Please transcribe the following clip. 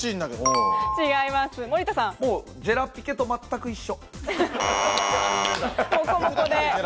ジェラピケと全く一緒。